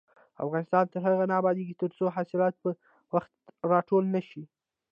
افغانستان تر هغو نه ابادیږي، ترڅو حاصلات په وخت راټول نشي.